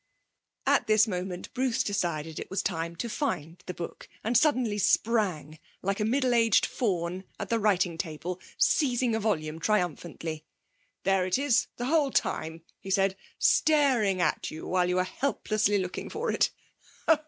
At this moment Bruce decided it was time to find the book, and suddenly sprang, like a middle aged fawn, at the writing table, seizing a volume triumphantly. 'There it is the whole time!' he said, 'staring at you while you are helplessly looking for it.